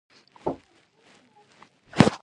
علم د نسلونو ترمنځ تفاهم رامنځته کوي.